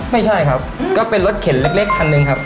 ไม่ใช่ครับก็เป็นรถเข็นเล็กคันหนึ่งครับ